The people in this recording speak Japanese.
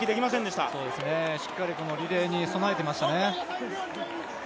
しっかりリレーに備えてましたね。